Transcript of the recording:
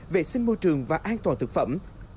vệ sinh môi trường và an toàn thực phẩm